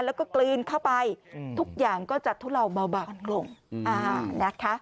แล้วก็กลืนเข้าไปทุกอย่างก็จะทุเลาเบาบางลงนะคะ